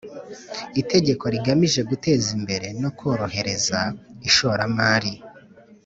Itegeko rigamije guteza imbere no korohereza ishoramari